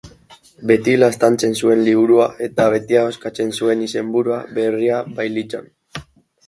Beti laztantzen zuen liburua eta beti ahoskatzen zuen izenburua berria bailitzan.